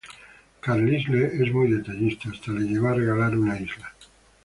Carlisle es muy detallista, hasta le llegó a regalar una isla.